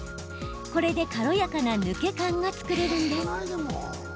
これで軽やかな抜け感が作れるんです。